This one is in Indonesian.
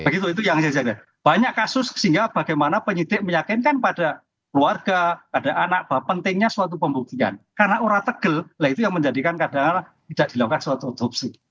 begitu itu yang banyak kasus sehingga bagaimana penyidik meyakinkan pada keluarga pada anak bahwa pentingnya suatu pembuktian karena orang tegel lah itu yang menjadikan kadang kadang tidak dilakukan suatu otopsi